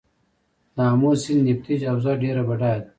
د امو سیند نفتي حوزه ډیره بډایه ده.